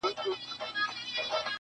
له نقابو یې پرهېزګاره درخانۍ ایستله،